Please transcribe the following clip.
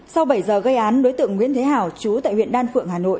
sau bảy giờ gây án đối tượng nguyễn thế hào chú tại huyện đan phượng hà nội